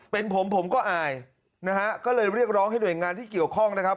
เป็นผมผมก็อายนะฮะก็เลยเรียกร้องให้หน่วยงานที่เกี่ยวข้องนะครับ